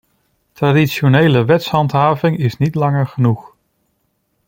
Traditionele wetshandhaving is niet langer genoeg.